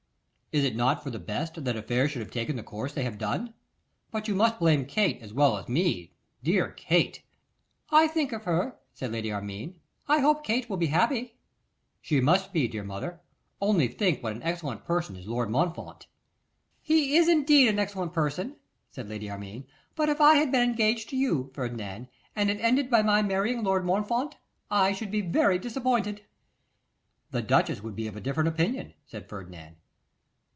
'Is it not for the best that affairs should have taken the course they have done? But you must blame Kate as well as me; dear Kate!' 'I think of her,' said Lady Armine; 'I hope Kate will be happy.' 'She must be, dear mother; only think what an excellent person is Lord Montfort.' 'He is indeed an excellent person,' said Lady Armine; 'but if I had been engaged to you, Ferdinand, and it ended by my marrying Lord Montfort, I should be very disappointed.' 'The duchess would be of a different opinion,' said Ferdinand.